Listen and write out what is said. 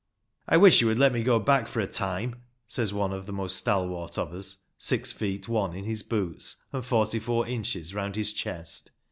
"I wish you would let me go back for a time," says one of the most stalwart of us, six feet one in his boots, and forty four inches round the chest.